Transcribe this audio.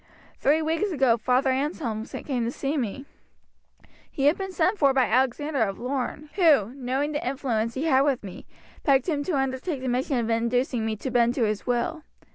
Three weeks ago Father Anselm came to see me. He had been sent for by Alexander of Lorne, who, knowing the influence he had with me, begged him to undertake the mission of inducing me to bend to his will.